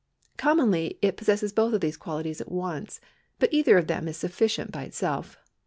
Commonly it possesses both of these qualities at once, but cither of them is sufficient by itself.